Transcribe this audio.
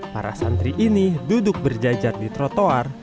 para santri ini duduk berjajar di trotoar